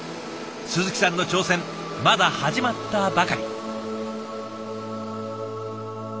鈴木さんの挑戦まだ始まったばかり。